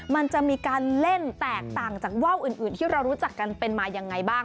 มันจะมีการเล่นแตกต่างจากว่าวอื่นที่เรารู้จักกันเป็นมายังไงบ้าง